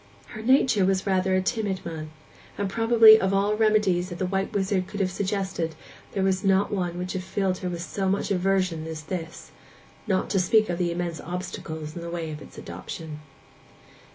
Her nature was rather a timid one; and probably of all remedies that the white wizard could have suggested there was not one which would have filled her with so much aversion as this, not to speak of the immense obstacles in the way of its adoption.